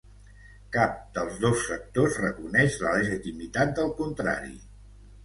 Cap dels dos sectors reconeix la legitimitat del contrari.